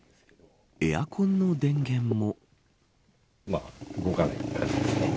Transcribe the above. エアコンの電源も。